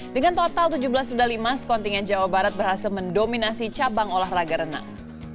dengan total tujuh belas medali emas kontingen jawa barat berhasil mendominasi cabang olahraga renang